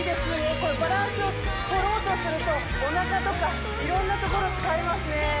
これバランスをとろうとするとおなかとかいろんなところ使いますね